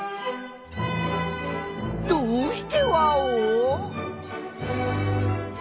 どうしてワオ？